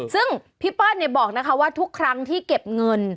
ซึ่งพี่เปิ้ลบอกนะคะว่าทุกครั้งที่เก็บเงิน